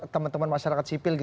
teman teman masyarakat sipil